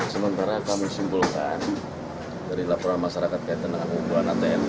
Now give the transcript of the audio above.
sementara kami simpulkan dari laporan masyarakat kaitan anggung buah naten